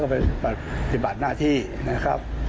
ก็จะไปถึงแล้วก็ไปปฏิบัติหน้าที่นะครับ